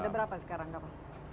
ada berapa sekarang kapal